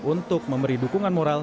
untuk memberi dukungan moral